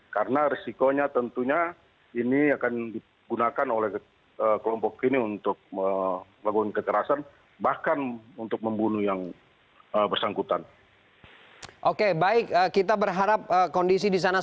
karena risikonya tentunya ini akan digunakan oleh kelompok ini untuk melakukan kekerasan